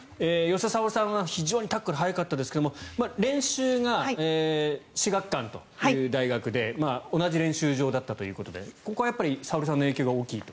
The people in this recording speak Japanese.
吉田沙保里さんは非常にタックルが速かったですが練習が至学館という大学で同じ練習場だったということでここは沙保里さんの影響が大きいと。